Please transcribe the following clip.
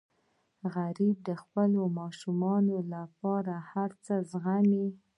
غریب د خپلو ماشومانو لپاره هر څه زغمي